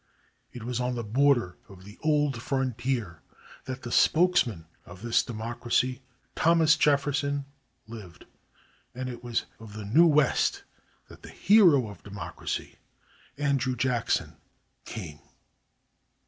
It was on the border of the older frontier that the spokesman of this democracy, Thomas Jefferson, lived; and it was out of the new West that the hero of democracy, Andrew Jackson, came.